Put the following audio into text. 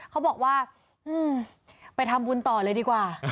เขาบอกว่าไปทำบุญต่อเลยดีกว่า